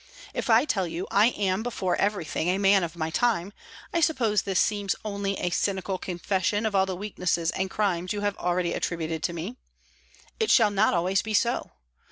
If I tell you I am before everything a man of my time, I suppose this seems only a cynical confession of all the weaknesses and crimes you have already attributed to me? It shall not always be so!